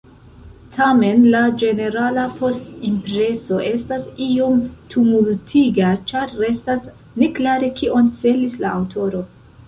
Tamen la ĝenerala postimpreso estas iom tumultiga, ĉar restas neklare, kion celis la aŭtoro.